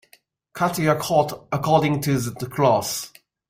Cut your coat according to the cloth.